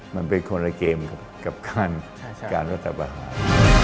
มันเป็นคนละเกมกับการรัฐประหาร